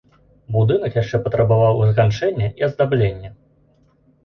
Будынак яшчэ патрабаваў заканчэння і аздаблення.